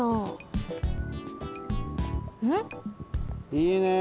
いいね！